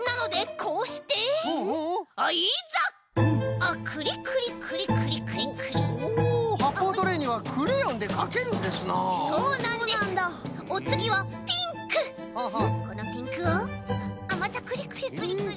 このピンクをまたクリクリクリクリ。